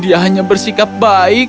dia hanya bersikap baik